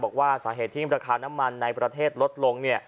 บอกว่าสาเหตุที่ราคาน้ำมันในประเทศลดลง